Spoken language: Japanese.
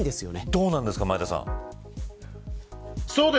どうなんですか、前田さん。